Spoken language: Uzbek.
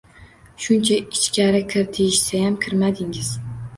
Shuncha ichkari kir, deyishsayam, kirmadingiz.